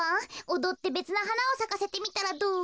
おどってべつなはなをさかせてみたらどう？